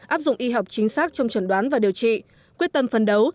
áp dụng y học chính xác trong chẩn đoán và điều trị quyết tâm phần đấu